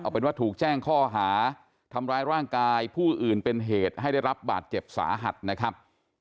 เป็นว่าถูกแจ้งข้อหาทำร้ายร่างกายผู้อื่นเป็นเหตุให้ได้รับบาดเจ็บสาหัสนะครับ